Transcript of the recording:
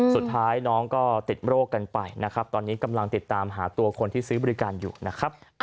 สุดท้ายน้องก็ติดโรคกันไปนะครับตอนนี้กำลังติดตามหาตัวคนที่ซื้อบริการอยู่นะครับ